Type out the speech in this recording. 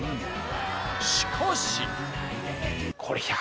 しかし。